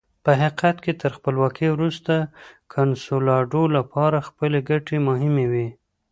په حقیقت کې تر خپلواکۍ وروسته کنسولاډو لپاره خپلې ګټې مهمې وې.